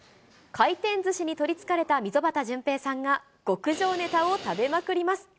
回転ずしに取りつかれた溝端淳平さんが、極上ネタを食べまくります。